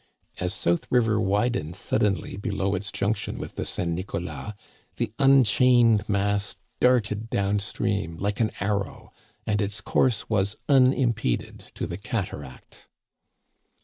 As South River widens suddenly below its junction with the St. Nicholas, the unchained mass darted down stream like an arrow, and its course was unimpeded to the cataract.